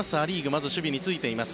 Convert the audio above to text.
まず守備に就いています。